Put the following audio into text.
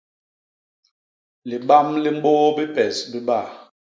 Libam li mbôô bipes bibaa.